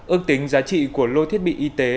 ước tính giá trị của lô thiết bị y tế